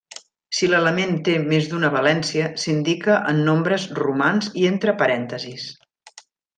Si l'element té més d'una valència, s'indica en nombres romans i entre parèntesis.